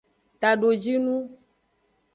Tadojinu.